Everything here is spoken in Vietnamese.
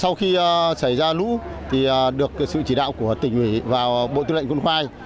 sau khi xảy ra lũ thì được sự chỉ đạo của tỉnh ủy và bộ tư lệnh quân khoai